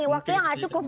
waktunya nggak cukup nanti